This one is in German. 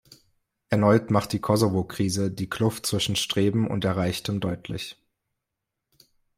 Erneut macht die Kosovo-Krise die Kluft zwischen Streben und Erreichtem deutlich.